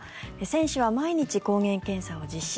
選手は毎日、抗原検査を実施。